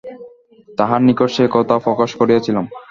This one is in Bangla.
তাঁহার নিকট সে কথা প্রকাশও করিয়াছিলাম।